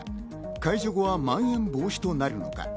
解除後はまん延防止となるのか。